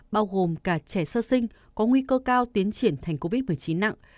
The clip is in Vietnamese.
bao gồm cả trẻ sơ sinh có nguy cơ cao tiến triển thành covid một mươi chín nặng